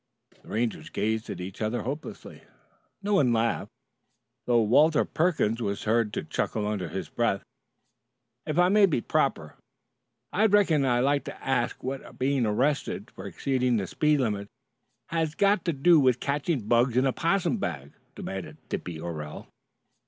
The Rangers gazed at each other hopelessly. No one laughed, though Walter Perkins was heard to chuckle under his breath. "If it might be proper, I reckon I'd like to ask what being arrested for exceeding the speed limit has got to do with catching bugs in a 'possum bag?" demanded Dippy Orell.